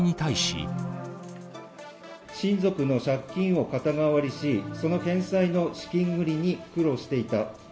親族の借金を肩代わりし、その返済の資金繰りに苦労していた。